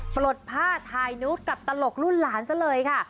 ปลดผ้าถ่ายนุษย์กับตลกรุ่นหลานซะเลยค่ะ